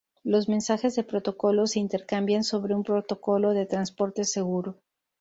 Los mensajes de protocolo se intercambian sobre un protocolo de transporte seguro.